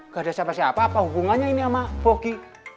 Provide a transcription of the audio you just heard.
gak ada siapa siapa apa hubungannya ini sama pogi